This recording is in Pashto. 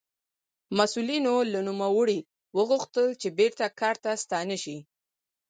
مسوولینو له نوموړي وغوښتل چې بېرته کار ته ستانه شي.